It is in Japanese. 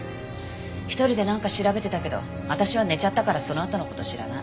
１人でなんか調べてたけど私は寝ちゃったからそのあとの事は知らない。